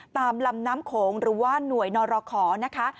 ตามลำน้ำโขงหรือว่าหน่วยนรขอนะคะ